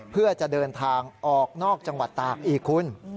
เพื่อจะเดินทางออกนอกจังหวัดตากอีกคุณ